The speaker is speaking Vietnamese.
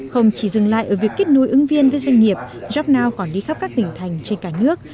không chỉ dừng lại ở việc kết nối ứng viên với doanh nghiệp jobnow còn đi khắp các tỉnh thành trên cả nước